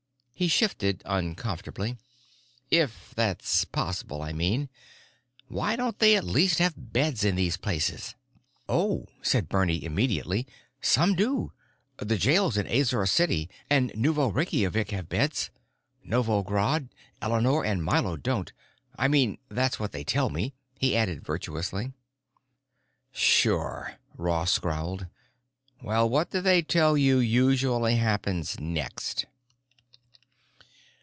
He shifted uncomfortably. "If that's possible, I mean. Why don't they at least have beds in these places?" "Oh," said Bernie immediately, "some do. The jails in Azor City and Nuevo Reykjavik have beds; Novj Grad, Eleanor, and Milo don't. I mean, that's what they tell me," he added virtuously. "Sure," Ross growled. "Well, what do they tell you usually happens next?"